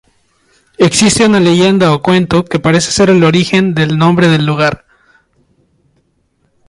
Existe una leyenda o cuento que parece ser el origen del nombre del lugar.